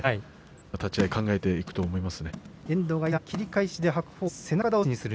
立ち合い、考えていくと思います。